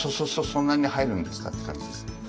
そんなに入るんですかって感じです。